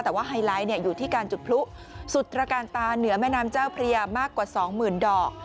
แต่ว่าไฮไลท์อยู่ที่การจุดพลุสุดตรการตาเหนือแม่น้ำเจ้าพระยามากกว่าสองหมื่นดอก